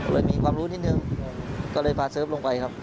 ด้วยมีความรู้นิดหนึ่งก็เลยพาเสียบอดลงไปครับ